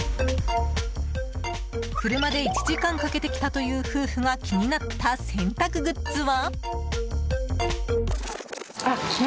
車で１時間かけて来たという夫婦が気になった洗濯グッズは？